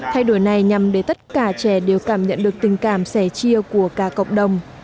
thay đổi này nhằm để tất cả trẻ đều cảm nhận được tình cảm sẻ chia của cả cộng đồng